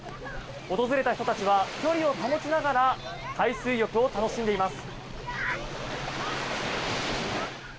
訪れた人たちは距離を保ちながら海水浴を楽しんでいます。